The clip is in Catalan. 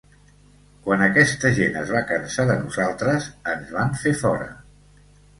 Quan aquesta gent es va cansar de nosaltres, ens van fer fora.